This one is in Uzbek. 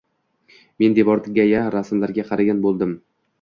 Men devordagya rasmlarga qaragan bo'ldim.